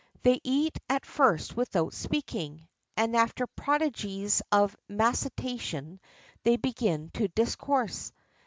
They eat at first without speaking, and after prodigies of mastication they began to discourse.